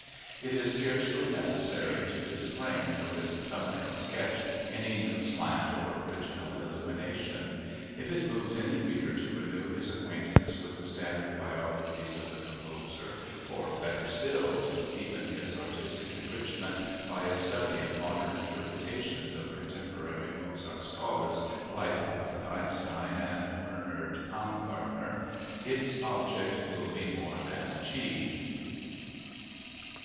It is scarcely necessary to disclaim for this thumbnail sketch any new slant or original illumination. If it moves any reader to renew his acquaintance with the standard biographies of the composer or, better still, to deepen his artistic enrichment by a study of modern interpretations of contemporary Mozart scholars like Alfred Einstein, and Bernhard Paumgartner, its object will be more than achieved.